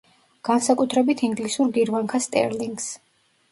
განსაკუთრებით ინგლისურ გირვანქა სტერლინგს.